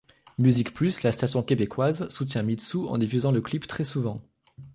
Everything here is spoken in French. MusiquePlus, la station québécoise, soutient Mitsou en diffusant le clip très souvent.